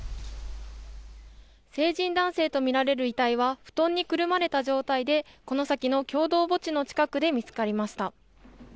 成人男性とみられる遺体は布団にくるまれた状態でこの先の共同墓地の近くで見つかりました。